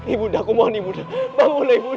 ibu dia aku mohon ibu dia bangunlah ibu dia